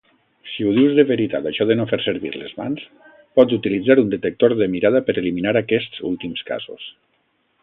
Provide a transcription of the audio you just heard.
Si ho dius de veritat això de no fer servir les mans, pots utilitzar un detector de mirada per eliminar aquests últims casos.